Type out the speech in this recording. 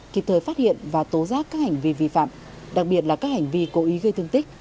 kịp thời phát hiện và tố giác các hành vi vi phạm đặc biệt là các hành vi cố ý gây thương tích